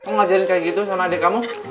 aku ngajarin kayak gitu sama adik kamu